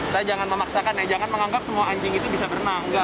saya jangan memaksakan ya jangan menganggap semua anjing itu bisa berenang